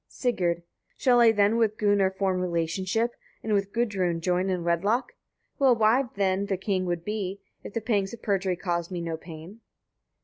Sigurd. 34. Shall I then with Gunnar form relationship, and with Gudrun join in wedlock? Well wived then the king would be, if the pangs of perjury caused me no pain.